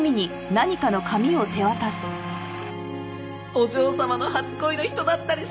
お嬢様の初恋の人だったりして。